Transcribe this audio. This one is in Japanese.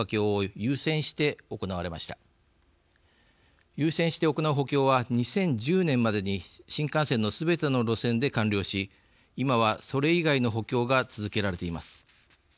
優先して行う補強は２０１０年までに新幹線のすべての路線で完了し今はそれ以外の補強が続けられています。